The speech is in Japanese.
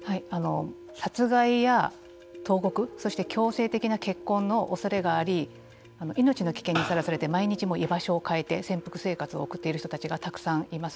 殺害や投獄そして強制的な結婚のおそれがあり命の危険ににさらされて毎日、居場所を変えて潜伏生活を送っている人たちがたくさんいます。